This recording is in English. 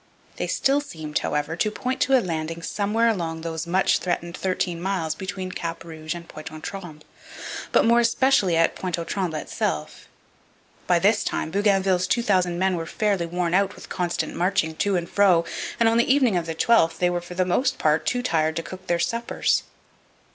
They still seemed, however, to point to a landing somewhere along those much threatened thirteen miles between Cap Rouge and Pointe aux Trembles, but, more especially, at Pointe aux Trembles itself. By this time Bougainville's 2,000 men were fairly worn out with constant marching to and fro; and on the evening of the 12th they were for the most part too tired to cook their suppers.